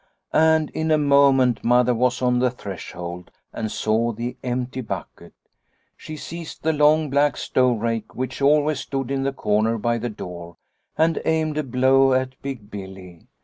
And in a moment Mother was on the threshold and saw the empty bucket. " She seized the long, black stove rake which always stood in the corner by the door and aimed a blow at Big Billy.